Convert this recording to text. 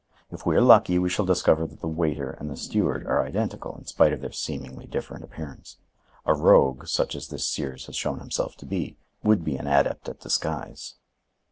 If we are lucky, we shall discover that the waiter and the steward are identical, in spite of their seemingly different appearance. A rogue, such as this Sears has shown himself to be, would be an adept at disguise."